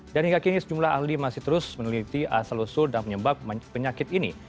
dan hingga kini sejumlah ahli masih terus meneliti asal usul dan penyebab penyakit ini